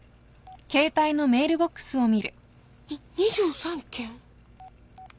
に２３件！？